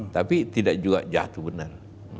tapi tidak juga jatuh benar